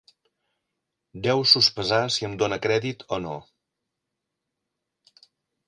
Deu sospesar si em dóna crèdit o no.